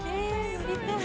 乗りたい！